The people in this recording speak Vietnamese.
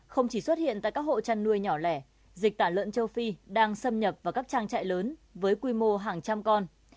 không chỉ xuất hiện tại các hộ chăn nuôi nhỏ lẻ dịch tả lợn châu phi đang xâm nhập vào các trang trại lớn với quy mô hàng trăm con